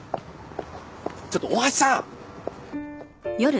ちょっと大橋さん。